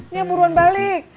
nyak buruan balik